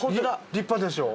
立派でしょう？